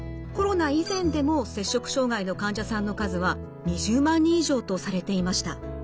コロナ以前でも摂食障害の患者さんの数は２０万人以上とされていました。